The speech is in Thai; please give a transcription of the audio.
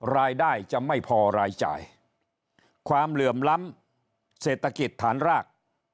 รายได้จะไม่พอรายจ่ายความเหลื่อมล้ำเศรษฐกิจฐานราก